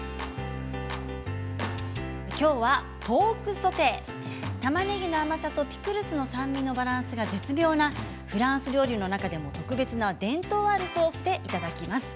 今日はポークソテーたまねぎの甘さとピクルスの酸味のバランスが絶妙なフランス料理の中でも特別な伝統あるソースでいただきます。